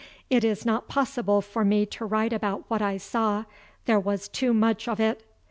It is not possible for me to write about what I saw: there was too much of it.